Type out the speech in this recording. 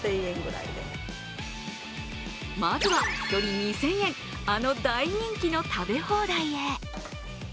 まずは１人２０００円あの大人気の食べ放題へ。